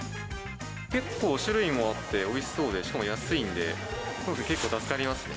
結構種類もあって、おいしそうで、しかも安いんで、結構助かりますね。